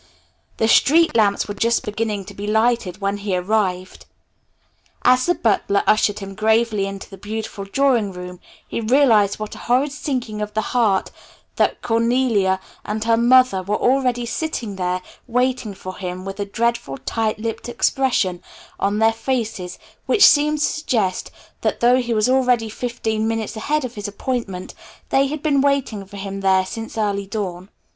The street lamps were just beginning to be lighted when he arrived. As the butler ushered him gravely into the beautiful drawing room he realized with a horrid sinking of the heart that Cornelia and her mother were already sitting there waiting for him with a dreadful tight lipped expression on their faces which seemed to suggest that though he was already fifteen minutes ahead of his appointment they had been waiting for him there since early dawn.